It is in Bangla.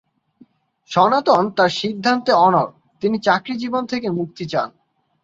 সনাতন তার সিদ্ধান্তে অনড়, তিনি চাকুরি জীবন থেকে মুক্তি চান।